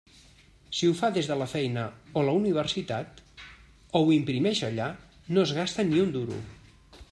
Si ho fa des de la feina o la universitat o ho imprimeix allà, no es gasta ni un duro.